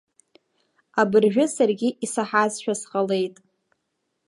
Абыржәы саргьы исаҳазшәа сҟалеит.